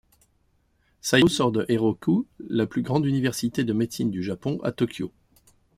Saitô sort de Eiroku, la plus grande université de médecine du Japon, à Tokyo.